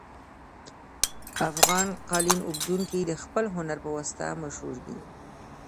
افغان قالین اوبدونکي د خپل هنر په واسطه مشهور دي